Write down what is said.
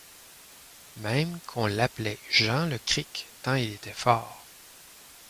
Même qu'on l'appelait Jean-le-Cric, tant il était fort.